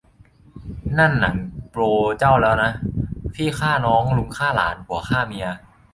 นั่นหนังโปรเจ้าแล้วนะ พี่ฆ่าน้อง ลุงฆ่าหลาน ผัวฆ่าเมีย